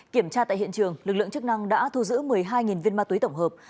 kiểm tra tại hiện trường lực lượng chức năng đã thu giữ một mươi hai viên ma túy tổng hợp